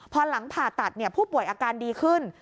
พอหลังผ่าตัดผู้ป่วยอาการดีขึ้น